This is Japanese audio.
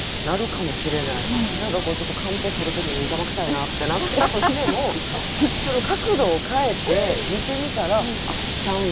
何かこうちょっとカンペ取る時に邪魔くさいなってなったとしてもそれを角度を変えて見てみたらあっちゃうんや。